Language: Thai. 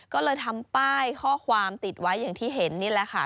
ก็เลยทำป้ายข้อความติดไว้อย่างที่เห็นนี่แหละค่ะ